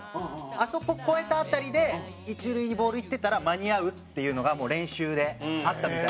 あそこ越えた辺りで一塁にボールいってたら間に合うっていうのがもう練習であったみたい。